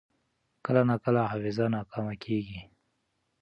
کله ناکله حافظه ناکامه کېږي.